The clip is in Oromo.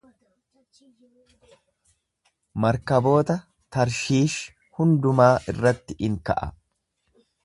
Markaboota Tarshiish hundumaa irratti in ka'a.